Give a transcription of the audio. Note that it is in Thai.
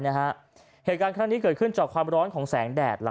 นะฮะเหตุการขั้นนี้เกิดขึ้นจากความร้อนของแสงแดดล่ะ